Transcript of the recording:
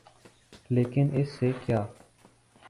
لیکن اس سے کیا؟